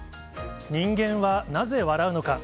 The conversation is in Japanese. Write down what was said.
人間はなぜ笑うのか。